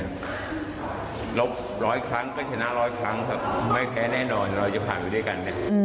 ร้อยครั้งไม่ชนะร้อยครั้งครับไม่แพ้แน่นอนเราจะผ่านไปด้วยกัน